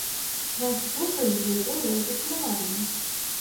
Жонка слухала і глядзела, як зачараваная.